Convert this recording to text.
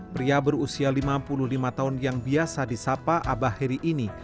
pria berusia lima puluh lima tahun yang biasa disapa abah heri ini